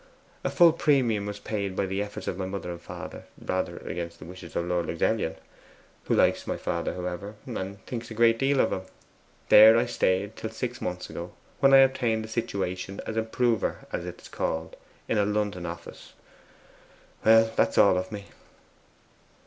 A full premium was paid by the efforts of my mother and father, rather against the wishes of Lord Luxellian, who likes my father, however, and thinks a great deal of him. There I stayed till six months ago, when I obtained a situation as improver, as it is called, in a London office. That's all of me.